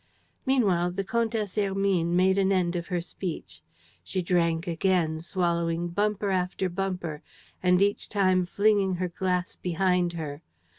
Meanwhile, the Comtesse Hermine made an end of her speech. She drank again, swallowing bumper after bumper and each time flinging her glass behind her.